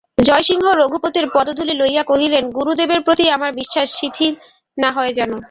জয়সিংহ রঘুপতির পদধূলি লইয়া কহিলেন, গুরুদেবের প্রতি আমার বিশ্বাস শিখিল না হয় যেন।